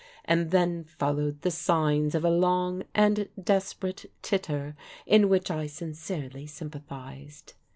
and then followed the signs of a long and desperate titter, in which I sincerely sympathized.